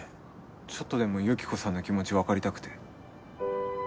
ちょっとでもユキコさんの気持ち分かりたくて。